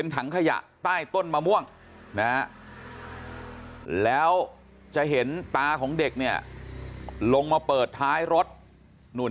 ถังขยะใต้ต้นมะม่วงนะแล้วจะเห็นตาของเด็กเนี่ยลงมาเปิดท้ายรถนู่น